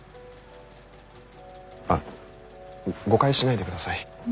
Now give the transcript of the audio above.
あっ誤解しないでください。